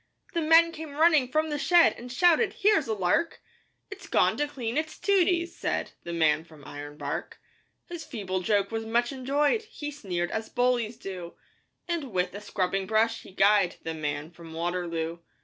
The men came running from the shed, And shouted, 'Here's a lark!' 'It's gone to clean its tooties!' said The man from Ironbark. His feeble joke was much enjoyed; He sneered as bullies do, And with a scrubbing brush he guyed The Man from Waterloo.